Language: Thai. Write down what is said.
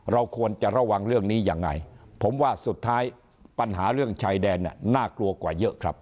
เราควรจะระวังเรื่องนี้ยังไงผมว่าสุดท้ายปัญหาเรื่องชายแดนน่ากลัวกว่าเยอะครับ